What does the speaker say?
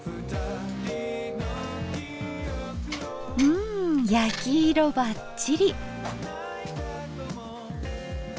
うん焼き色ばっちり。